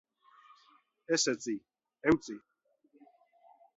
Ez etsi, eutsi!